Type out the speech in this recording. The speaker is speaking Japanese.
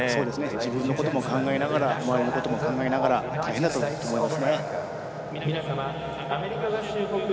自分のことも考えながら周りのことも考えながら大変だと思います。